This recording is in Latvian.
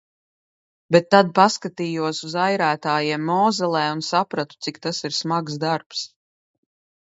Bet tad paskatījos uz airētājiem Mozelē un sapratu, cik tas ir smags darbs.